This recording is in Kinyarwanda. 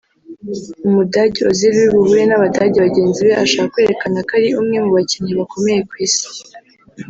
Umudage Ozil uri buhure n’Abadage bagenzi be ashaka kwerekana ko ari umwe mu bakinnyi bakomeye ku Isi